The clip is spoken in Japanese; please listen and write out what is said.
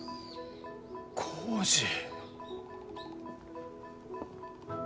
コージー。